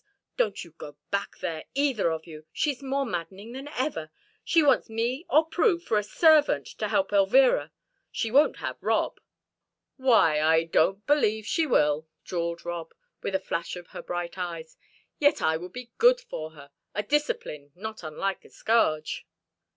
Don't you go back there, either of you. She's more maddening than ever. She wants me or Prue for a servant to help Elvira she won't have Rob." "Why, I don't believe she will," drawled Rob, with a flash of her bright eyes. "Yet I would be good for her; a discipline, not unlike a scourge."